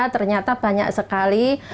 ternyata banyak sekali